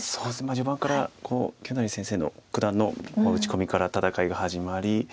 序盤から清成先生の九段の打ち込みから戦いが始まり。